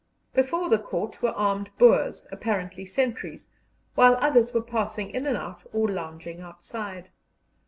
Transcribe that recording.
Before the court were armed Boers, apparently sentries, whilst others were passing in and out or lounging outside.